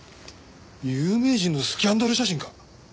有名人のスキャンダル写真か。